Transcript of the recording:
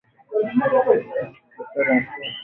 Madaktari wanaounga mkono demokrasia walisema.